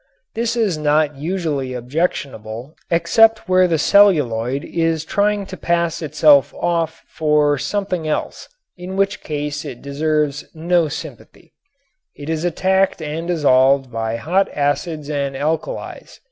This is not usually objectionable except where the celluloid is trying to pass itself off for something else, in which case it deserves no sympathy. It is attacked and dissolved by hot acids and alkalies.